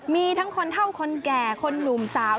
มีทั้งคนเท่าคนแก่คนหนุ่มสาว